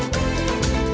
teganya teganya teganya